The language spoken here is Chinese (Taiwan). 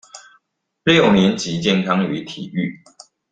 六年級健康與體育